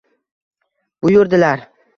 Buyurdilar: